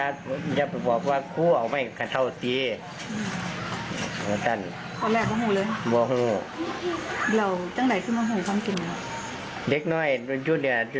เขาบอกให้อย่างส้นประตูได้